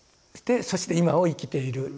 そして今を生きている。